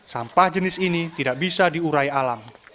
sampah jenis ini tidak bisa diurai alam